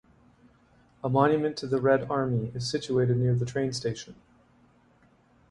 A monument to the Red Army is situated near the train station.